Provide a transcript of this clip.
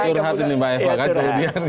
betul hati nih pak efah